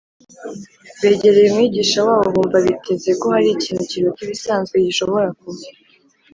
begereye umwigisha wabo bumva biteze ko hari ikintu kiruta ibisanzwe gishobora kuba